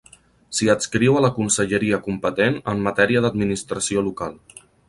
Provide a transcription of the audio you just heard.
S'hi adscriu a la conselleria competent en matèria d'administració local.